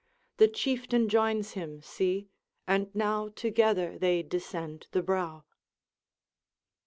The Chieftain joins him, see and now Together they descend the brow.'